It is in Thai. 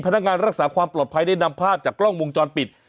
นักงานรักษาความปลอดภัยได้นำภาพจากกล้องวงจรปิด